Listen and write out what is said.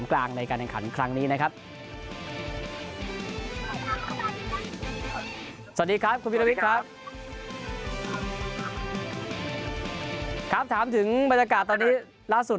ตอนนี้คุณวิราวิทถามถึงบรรยากาศล่าสุด